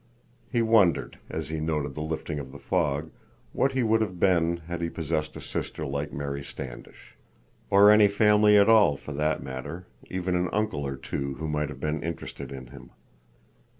He wondered, as he noted the lifting of the fog, what he would have been had he possessed a sister like Mary Standish. Or any family at all, for that matter—even an uncle or two who might have been interested in him.